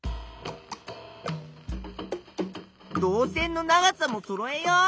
導線の長さもそろえよう！